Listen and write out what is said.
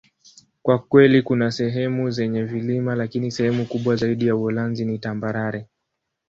Kwa kweli, kuna sehemu zenye vilima, lakini sehemu kubwa zaidi ya Uholanzi ni tambarare.